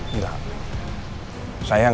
jangan lupa nrg